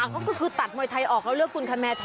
อ๋อก็คือตัดมวยไทยออกแล้วเลือกกลุ่นคันแมนแทน